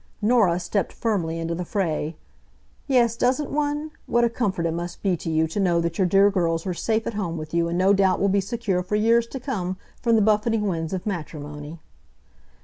Norah stepped firmly into the fray. "Yes, doesn't one? What a comfort it must be to you to know that your dear girls are safe at home with you, and no doubt will be secure, for years to come, from the buffeting winds of matrimony."